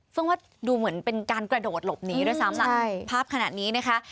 ซึ่งว่าดูเหมือนเป็นการกระโดดหลบหนีด้วยซ้ำล่ะภาพขนาดนี้นะคะ